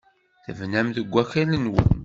Tebnam deg wakal-nwen?